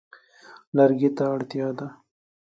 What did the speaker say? لرګي ته اړتیا ده.